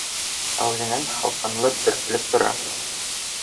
Ә үҙенән һалҡынлыҡ бөркөлөп тора